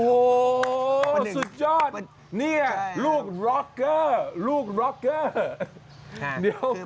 โอ้โหสุดยอดนี่ลูกร็อกเกอร์